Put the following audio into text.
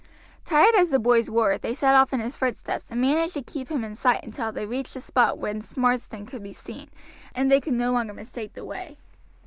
Tired as the boys were, they set off in his footsteps, and managed to keep him in sight until they reached the spot whence Marsden could be seen, and they could no longer mistake the way.